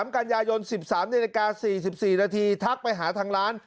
๒๓กันยายน๑๓น๔๔นทักไปหาทางร้าน